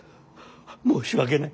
申し訳ない。